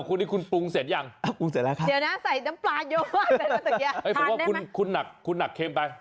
ขอบคุณครับ